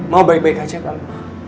mau baik baik aja kali